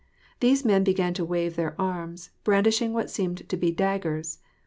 These men beg^n to wave their arms, brandishing what seemed to be daggers.